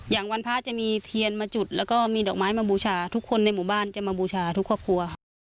วันพระจะมีเทียนมาจุดแล้วก็มีดอกไม้มาบูชาทุกคนในหมู่บ้านจะมาบูชาทุกครอบครัว